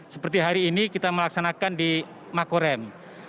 seperti hari ini kita melaksanakan di makorem